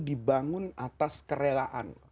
dibangun atas kerelaan